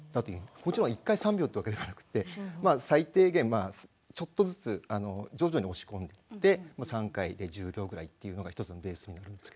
もちろん１回３秒というわけではなく最低限ちょっとずつ徐々に押し込んでいって３回で１０秒ぐらいというのが１つのベースになりますね。